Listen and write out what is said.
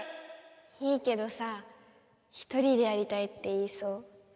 いいけどさひとりでやりたいって言いそう。